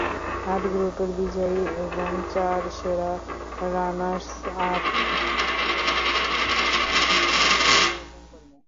আট গ্রুপের বিজয়ী এবং চার সেরা রানার্স-আপ তৃতীয় রাউন্ডে খেলার যোগ্যতা অর্জন করবে।